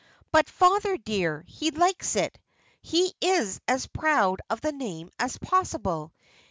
"But, father, dear, he likes it. He is as proud of the name as possible.